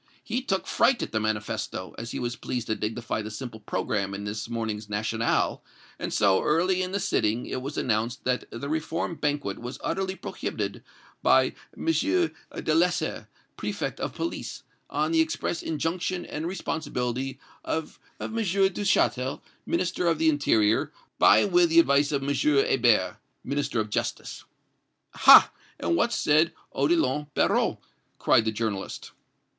He took fright at the manifesto, as he was pleased to dignify the simple programme in this morning's 'National,' and so, early in the sitting, it was announced that the reform banquet was utterly prohibited by M. Delessert, Préfect of Police, on the express injunction and responsibility of M. Duchatel, Minister of the Interior, by and with the advice of M. Hebert, Minister of Justice." "Ha! and what said Odillon Barrot?" cried the journalist.